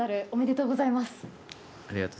ありがとうございます。